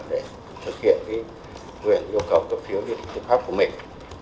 để thực hiện cái nguyện yêu cầu cấp phiếu lý lịch tư pháp của mình